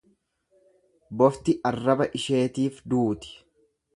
Bofti arraba isheetiif duuti.